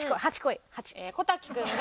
小瀧君が。